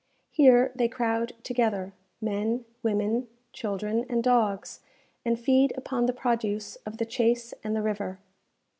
Here they crowd together, men, women, children, and dogs, and feed upon the produce of the chase and the river.